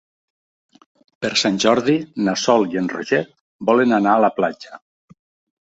Per Sant Jordi na Sol i en Roger volen anar a la platja.